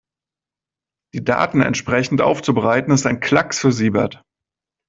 Die Daten entsprechend aufzubereiten, ist ein Klacks für Siebert.